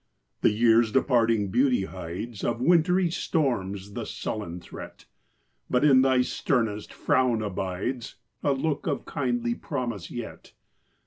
The year's departing beauty hides Of wintry storms the sullen threat; But in thy sternest frown abides A look of kindly promise yet.